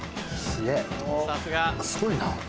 すごいな。